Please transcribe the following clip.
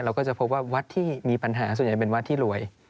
ก็จะพบว่าวัดที่มีปัญหาส่วนใหญ่เป็นวัดที่รวย